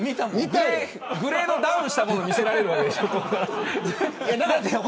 グレードダウンしたものを見せられるんでしょ。